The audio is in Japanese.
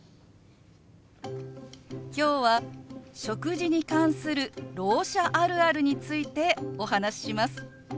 今日は食事に関するろう者あるあるについてお話しします。